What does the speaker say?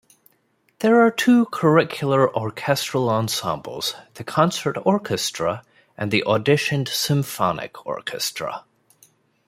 There are two curricular orchestral ensembles, the Concert Orchestra and the auditioned Symphonic Orchestra.